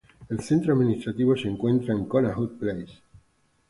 El centro administrativo se encuentra en Connaught Place.